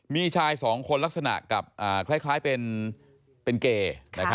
มีชายสองคนลักษณะคล้ายเป็นเกย์